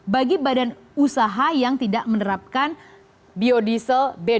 bagi badan usaha yang tidak menerapkan biodiesel b dua puluh